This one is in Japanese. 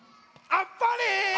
「あっぱれ」。